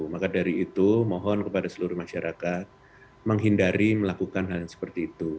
maka dari itu mohon kepada seluruh masyarakat menghindari melakukan hal yang seperti itu